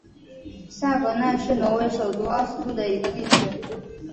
萨格奈是挪威首都奥斯陆的一个地区。